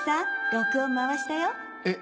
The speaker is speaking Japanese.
録音回したよえっ